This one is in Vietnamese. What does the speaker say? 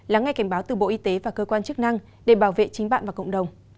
lắng nghe cảnh báo từ bộ y tế và cơ quan chức năng để bảo vệ chính bạn và cộng đồng